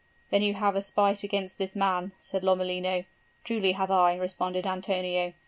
'Then you have a spite against this man,' said Lomellino. 'Truly have I,' responded Antonio.